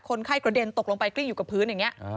คนไข้กระเด็นตกลงไปกลิ้งอยู่กับพื้นอย่างนี้